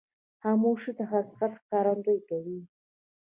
خاموشي، د حقیقت ښکارندویي کوي.